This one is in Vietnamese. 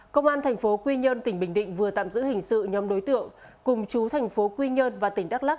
công an thành phố quy nhơn tỉnh bình định vừa tạm giữ hình sự nhóm đối tượng cùng chú thành phố quy nhơn và tỉnh đắk lắc